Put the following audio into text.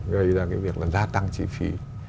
gây ra cái việc là gia tăng chi phí